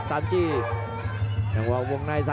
อันนี้พยายามจะเน้นข้างซ้ายนะครับ